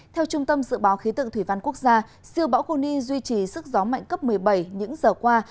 theo trung tâm dự báo khí tượng thủy văn quốc gia siêu bão goni duy trì sức gió mạnh cấp một mươi bảy những giờ qua